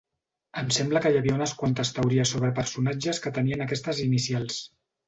Em sembla que hi havia unes quantes teories sobre personatges que tenien aquestes inicials.